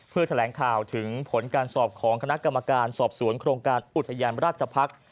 เพื่อแถลงข่าวถึงผลการสอบของคณะกรรมการสอบสวนโครงการอุทยานราชภักษ์